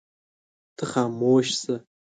ته خاموش شه.